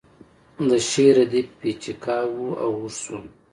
د شعر ردیف پیچکه و او اوږد شو